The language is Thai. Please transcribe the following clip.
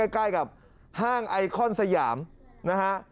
ใกล้กับห้างไอคอนสยามนะฮะ